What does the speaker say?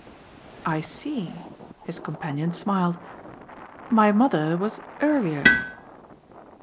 "I see." His companion smiled. "My mother was earlier."